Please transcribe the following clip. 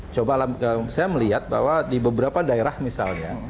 coba saya melihat bahwa di beberapa daerah misalnya